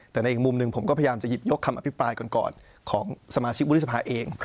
แต่ในอีกมุมหนึ่งผมก็พยายามจะหยิบยกคำอภิปรายก่อนของสมาชิกวุฒิสภาเอง